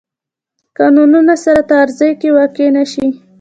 قوانونو سره تعارض کې واقع نه شي.